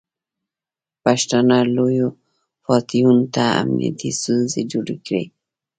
پښتانه لویو فاتحینو ته امنیتي ستونزې جوړې کړې.